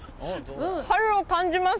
春を感じます。